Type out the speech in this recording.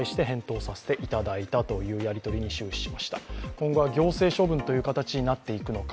今後は行政処分という形になっていくのか